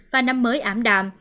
và năm mới ảm đạm